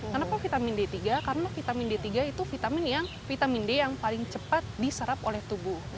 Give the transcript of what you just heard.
kenapa vitamin d tiga karena vitamin d tiga itu vitamin d yang paling cepat diserap oleh tubuh